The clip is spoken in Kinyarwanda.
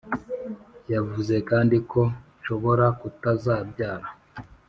yavuze kandi ko nshobora kutazabyara!